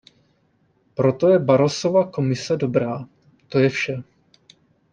Pro to je Barrosova Komise dobrá, to je vše.